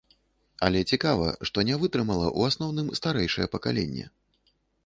Але цікава, што не вытрымала ў асноўным старэйшае пакаленне.